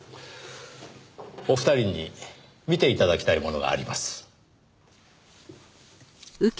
お二人に見て頂きたいものがあります。